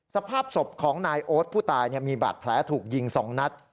สภาพศพของนายโอ๊ตผู้ตายมีบาดแผลถูกยิง๒นัด